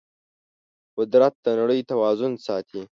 قدرت د نړۍ توازن ساتي.